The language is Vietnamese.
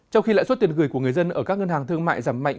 trong khi lãi suất tiền gửi của người dân ở các ngân hàng thương mại giảm mạnh